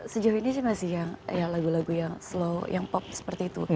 sejauh ini sih masih yang lagu lagu yang slow yang pop seperti itu